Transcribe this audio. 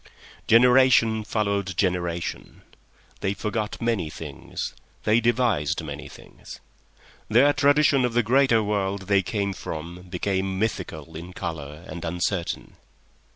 Generation followed generation. They forgot many things; they devised many things. Their tradition of the greater world they came from became mythical in colour and uncertain.